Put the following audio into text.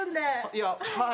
いやはい。